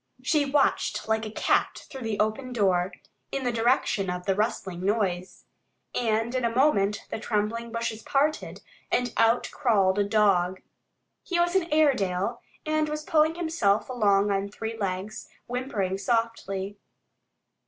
She watched like a cat through the open door, in the direction of the rustling noise. And in a moment the trembling bushes parted, and out crawled a dog. He was an Airedale and was pulling himself along on three legs, whimpering softly.